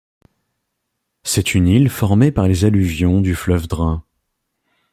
C'est une île formée par les alluvions du fleuve Drin.